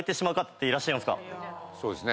そうですね。